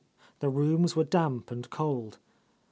The rooms were damp and cold.